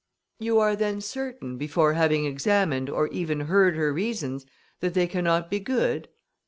"You are then certain, before having examined, or even heard her reasons, that they cannot be good?"